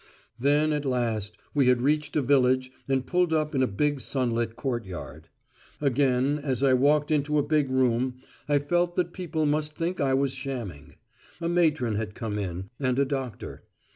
Then at last we had reached a village and pulled up in a big sunlit courtyard. Again as I walked into a big room I felt that people must think I was shamming. A matron had come in, and a doctor.